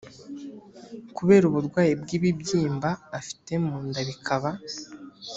kubera uburwayi bw ibibyimba afite munda bikaba